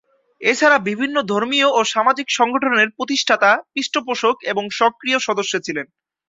এছাড়া বিভিন্ন ধর্মীয় ও সামাজিক সংগঠনের প্রতিষ্ঠাতা, পৃষ্ঠপোষক এবং সক্রিয় সদস্য ছিলেন।